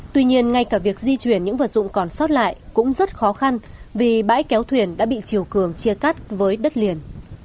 tuy nhiên ngay cả việc di chuyển những vật dụng còn sót lại cũng rất khó khăn vì bãi kéo thuyền đã bị chiều cường chia cắt với đất liền